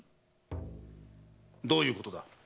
どういうことだ？